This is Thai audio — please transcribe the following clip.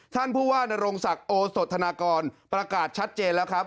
ท่านผู้ว่านรงศักดิ์โอสธนากรประกาศชัดเจนแล้วครับ